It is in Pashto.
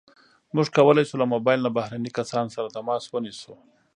موږ کولی شو له موبایل نه بهرني کسان سره تماس ونیسو.